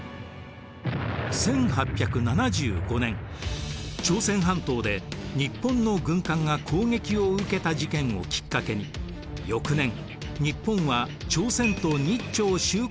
１８７５年朝鮮半島で日本の軍艦が攻撃を受けた事件をきっかけに翌年日本は朝鮮と日朝修好条規を締結。